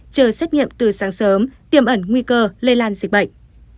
chờ xét nghiệm từ sáng sớm tiêm ẩn nguy cơ lây lan dịch bệnh